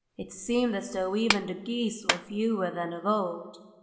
It seemed as though even the geese were fewer than of old.